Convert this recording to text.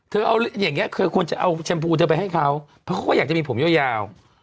เธอเอาอย่างเงี้ยคือควรจะเอาแชมพูเธอไปให้เขาเพราะว่าอยากจะมีผมยกยาว